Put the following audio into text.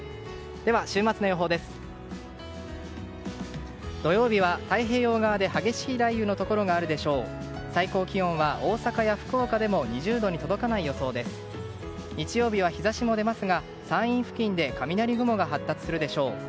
では、週末の予報です。